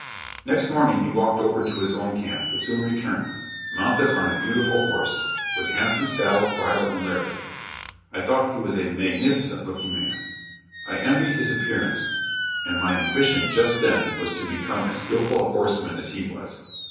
Next morning he walked over to his own camp, but soon returned, mounted on a beautiful horse, with a handsome saddle, bridle and lariat. I thought he was a magnificent looking man. I envied his appearance, and my ambition just then was to become as skillful a horseman as he was.